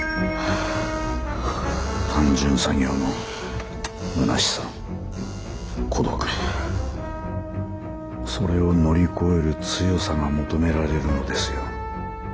単純作業のむなしさ孤独それを乗り越える強さが求められるのですよ。